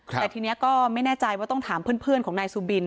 แต่ทีนี้ก็ไม่แน่ใจว่าต้องถามเพื่อนของนายสุบิน